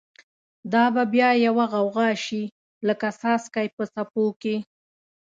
دا به بیا یوه غوغا شی، لکه څاڅکی په څپو کی